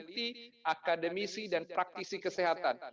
para peneliti akademisi dan praktisi kesehatan